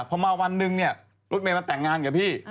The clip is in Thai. พอมาวันนึงเนี่ยรถเมย์มันแต่งงานกับพี่